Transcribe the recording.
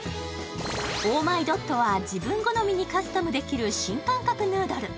ｏｈｍｙＤＯＴは自分好みにカスタムできる新感覚ヌードル。